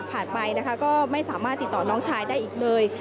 ไปนะคะก็ไม่สามารถติดต่อน้องชายได้อีกเลย